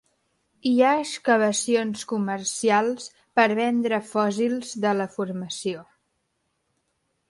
Hi ha excavacions comercials per vendre fòssils de la formació.